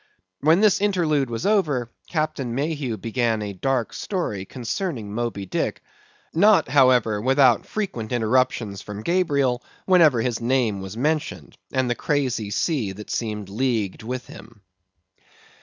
When this interlude was over, Captain Mayhew began a dark story concerning Moby Dick; not, however, without frequent interruptions from Gabriel, whenever his name was mentioned, and the crazy sea that seemed leagued with him.